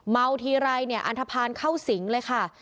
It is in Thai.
เมาทีไรอันทภัณฑ์เข้าสิงเลยค่ะ